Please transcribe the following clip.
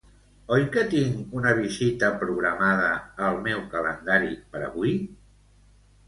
Oi que tinc una visita programada al meu calendari per avui?